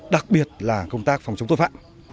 đặc biệt là công tác phòng chống tội phạm